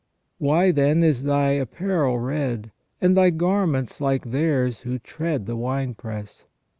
" Why, then, is Thy apparel red, and Thy garments like theirs who tread the wine press